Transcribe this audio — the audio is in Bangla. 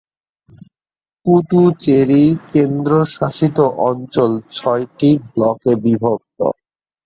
পুদুচেরি কেন্দ্রশাসিত অঞ্চল ছয়টি ব্লকে বিভক্ত।